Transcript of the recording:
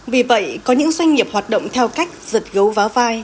vì vậy có những doanh nghiệp hoạt động theo cách giật gấu vá vai